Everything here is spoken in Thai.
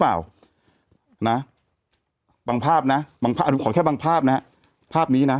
เปล่านะบางภาพนะบางภาพขอแค่บางภาพนะฮะภาพนี้นะ